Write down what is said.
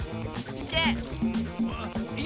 いけ！